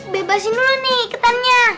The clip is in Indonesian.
bebasin dulu nih ikutannya